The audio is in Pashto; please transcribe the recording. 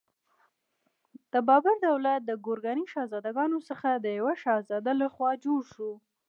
د بابر دولت د ګورکاني شهزادګانو څخه د یوه شهزاده لخوا جوړ شو.